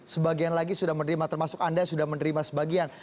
sebagian lagi sudah menerima termasuk anda sudah menerima sebagian